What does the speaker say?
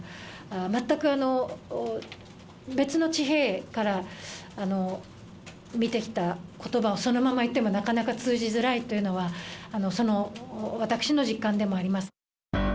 全く別の地平から見てきたことばをそのまま言っても、なかなか通じづらいというのは、私の実感でもあります。